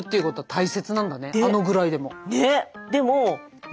あのぐらいでも。ね！